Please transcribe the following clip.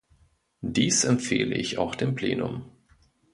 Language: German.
Dies empfehle ich auch dem Plenum.